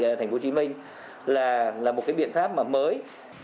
ở tp hcm là một biện pháp mới